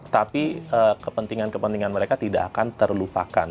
tapi kepentingan kepentingan mereka tidak akan terlupakan